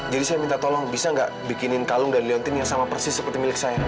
jadi saya minta tolong bisa gak bikinin kalung dan liontin yang sama persis seperti milik saya